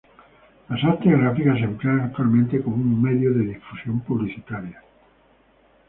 Las artes gráficas se emplean actualmente como un medio de difusión publicitaria.